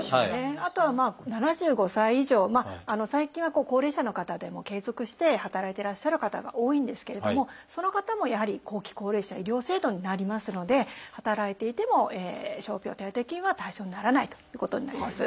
あとはまあ７５歳以上最近は高齢者の方でも継続して働いていらっしゃる方が多いんですけれどもその方もやはり後期高齢者医療制度になりますので働いていても傷病手当金は対象にならないということになります。